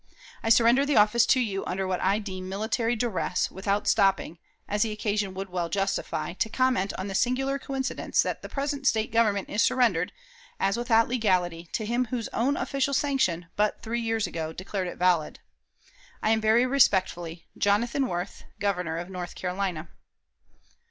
I surrender the office to you under what I deem military duress, without stopping, as the occasion would well justify, to comment on the singular coincidence that the present State government is surrendered, as without legality, to him whose own official sanction, but three years ago, declared it valid. "I am, very respectfully, "JONATHAN WORTH, "_Governor of North Carolina.